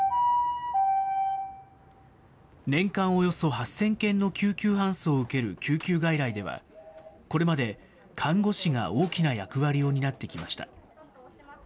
年間およそ８０００件の救急搬送を受ける救急外来では、これまで看護師が大きな役割を担ってきました。